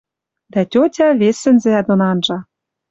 Дӓ тьотя вес сӹнзӓ дон анжа.